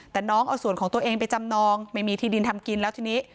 แต่น้องเอาส่วนของตัวเองไปจำนองไม่มีที่ดินทำกินแล้วทีนี้